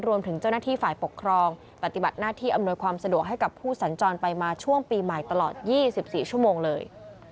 รวมถึงเจ้าหน้าที่ฝ่ายปกครองปฏิบัติหน้าที่อำนวยความสะดวกให้กับผู้สัญจรไปมาช่วงปีใหม่ตลอด๒๔ชั่วโมงเลย